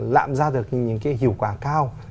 lạm ra được những cái hiệu quả cao